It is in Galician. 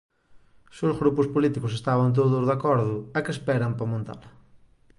Se os grupos políticos estaban todos de acordo, a que esperan para montala?